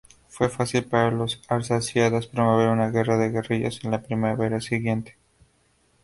Fue fácil para los arsácidas promover una guerra de guerrillas en la primavera siguiente.